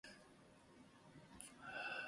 栃木県那珂川町